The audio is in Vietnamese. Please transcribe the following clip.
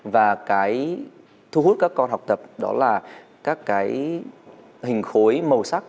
và cái thu hút các con học tập đó là các cái hình khối màu sắc